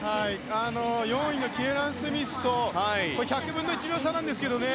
４位のキエラン・スミスと１００分の１秒差なんですけど。